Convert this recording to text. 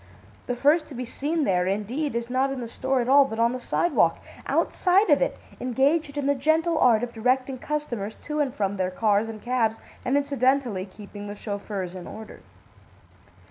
The first to be seen there, indeed, is not in the store at all, but on the sidewalk, outside of it, engaged in the gentle art of directing customers to and from their cars and cabs and incidentally keeping the chauffeurs in order.